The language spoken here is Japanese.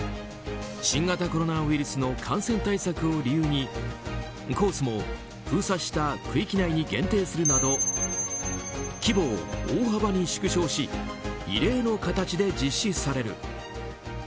新型コロナウイルスの感染対策を理由にコースも封鎖した区域内に限定するなど規模を大幅に縮小し異例の形で実施される。